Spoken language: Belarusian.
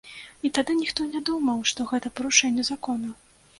І тады ніхто не думаў, што гэта парушэнне закона.